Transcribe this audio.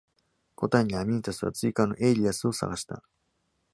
答えに、アミンタスは、追加の allies を探した。